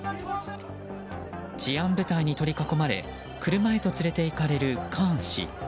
治安部隊に取り囲まれ車へと連れていかれるカーン氏。